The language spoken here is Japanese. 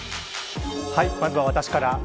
まずは私から。